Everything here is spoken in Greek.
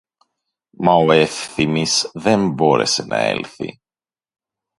Μα ο Εύθυμης δεν μπόρεσε να έλθει